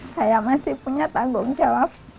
saya masih punya tanggung jawab